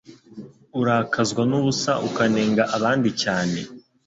urakazwa n'ubusa ukanenga abandi cyane